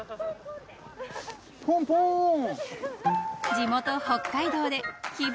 ［地元北海道で気分